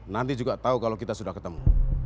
nanti juga tahu kalau kita sudah ketemu